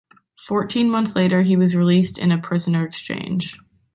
Fourteen months later he was released in a prisoner exchange.